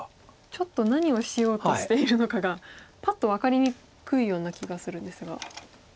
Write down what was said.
ちょっと何をしようとしているのかがパッと分かりにくいような気がするんですが。